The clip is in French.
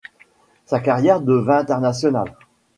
Sa carrière devint internationale.